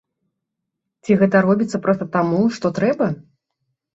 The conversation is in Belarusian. Ці гэта робіцца проста таму, што трэба?